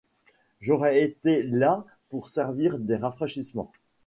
J'aurais été là pour servir des rafraîchissements.